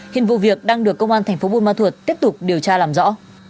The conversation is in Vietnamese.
hiện vụ việc đang được công an tp cà mau tiếp tục điều tra làm rõ